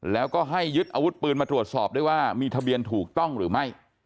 แล้วก็ให้ยึดอาวุธปืนมาตรวจสอบด้วยว่ามีทะเบียนถูกต้องหรือไม่